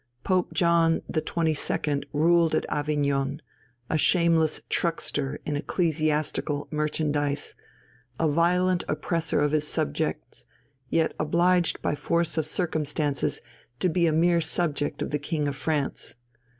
Pope John XXII. ruled at Avignon, a shameless truckster in ecclesiastical merchandise, a violent oppressor of his subjects, yet obliged by force of circumstances to be a mere subject of the King of France.